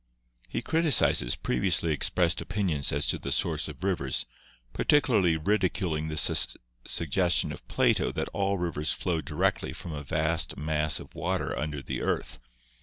He criticizes previously ex io GEOLOGY pressed opinions as to the source of rivers, particularly ridiculing the suggestion of Plato that all rivers flow directly from a vast mass of water under the earth.